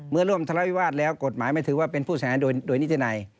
เมื่อร่วมทะเลาวิวาสแล้วกฎหมายไม่ถือว่าเป็นผู้เสียหายโดยนิตินัย